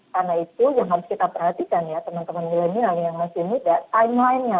karena itu yang harus kita perhatikan ya teman teman milenial yang masih muda timeline nya